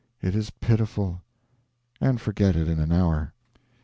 it is pitiful,' and forget it in an hour.